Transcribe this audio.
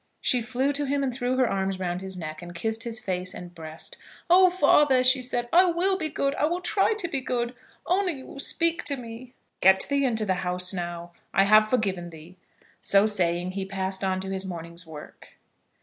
She flew to him and threw her arms round his neck and kissed his face and breast. "Oh, father," she said, "I will be good. I will try to be good. Only you will speak to me." [Illustration: "Oh, father," she said, "I will be good."] "Get thee into the house now. I have forgiven thee." So saying he passed on to his morning's work.